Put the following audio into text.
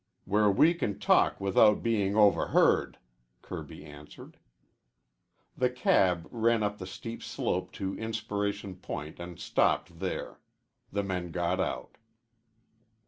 "Where we can talk without bein' overheard," Kirby answered. The cab ran up the steep slope to Inspiration Point and stopped there. The men got out.